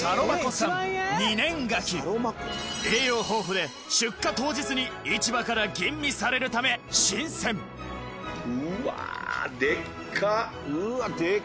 栄養豊富で出荷当日に市場から吟味されるため新鮮うわデッカ！